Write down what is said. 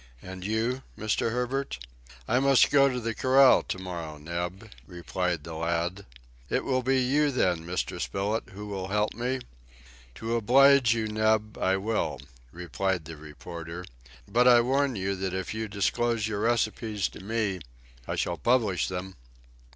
"And you, Mr. Herbert?" "I must go to the corral to morrow, Neb," replied the lad. "It will be you then, Mr. Spilett, who will help me?" "To oblige you, Neb, I will," replied the reporter; "but I warn you that if you disclose your recipes to me, I shall publish them."